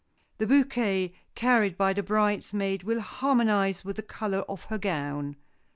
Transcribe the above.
The bouquet carried by the bridesmaid will harmonize with the color of her gown.